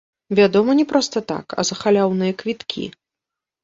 Вядома, не проста так, а за халяўныя квіткі.